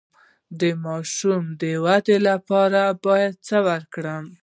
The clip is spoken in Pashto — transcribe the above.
د ماشوم د ودې لپاره باید څه ورکړم؟